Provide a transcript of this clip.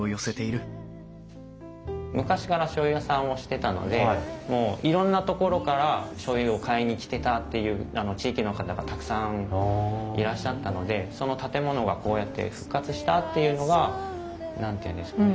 昔からしょうゆ屋さんをしてたのでもういろんな所からしょうゆを買いに来てたっていう地域の方がたくさんいらっしゃったのでその建物がこうやって復活したっていうのが何て言うんですかね